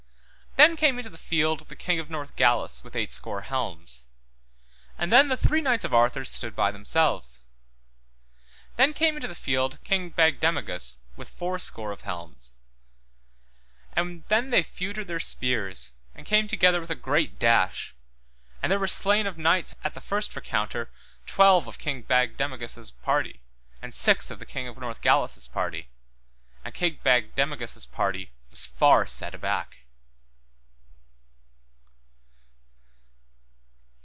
Then came into the field the King of Northgalis with eight score helms. And then the three knights of Arthur's stood by themselves. Then came into the field King Bagdemagus with four score of helms. And then they feutred their spears, and came together with a great dash, and there were slain of knights at the first recounter twelve of King Bagdemagus' party, and six of the King of Northgalis' party, and King Bagdemagus' party was far set aback.